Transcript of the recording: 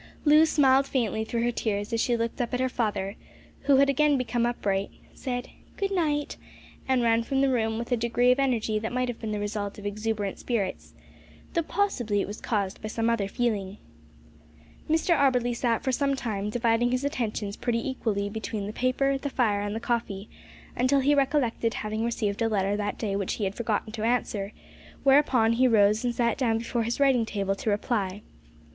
Loo smiled faintly through her tears as she looked up at her father, who had again become upright, said "Good night," and ran from the room with a degree of energy that might have been the result of exuberant spirits, though possibly it was caused by some other feeling. Mr Auberly sat for some time, dividing his attentions pretty equally between the paper, the fire, and the coffee, until he recollected having received a letter that day which he had forgotten to answer, whereupon he rose and sat down before his writing table to reply.